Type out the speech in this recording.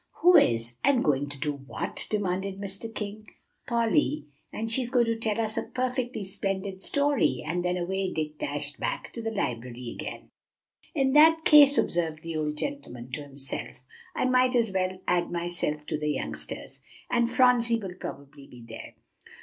"Who is? And going to do what?" demanded Mr. King. "Polly; and she's going to tell us a perfectly splendid story." And then away Dick dashed back to the library again. "In that case," observed the old gentleman to himself, "I might as well add myself to the youngsters; and Phronsie will probably be there."